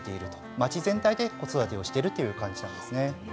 町全体で子育てをしているという感じですね。